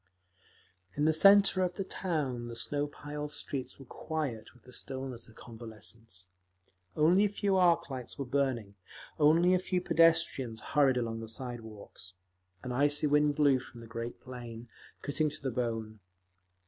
In the centre of the town the snow piled streets were quiet with the stillness of convalescence. Only a few arc lights were burning, only a few pedestrians hurried along the side walks. An icy wind blew from the great plain, cutting to the bone.